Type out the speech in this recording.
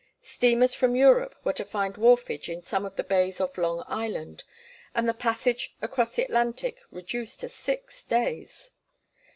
Steamers from Europe were to find wharfage in some of the bays of Long Island, and the passage across the Atlantic reduced to six days!